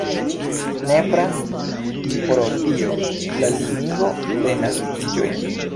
Nepras pro tio la limigo de naskiĝoj.